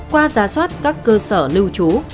qua giá soát các cơ sở lưu chú